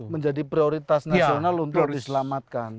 menjadi prioritas nasional untuk diselamatkan